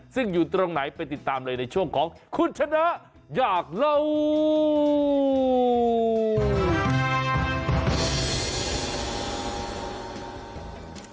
ซึ่งอยู่ตรงไหนไปติดตามเลยในช่วงของคุณชนะอยากเล่า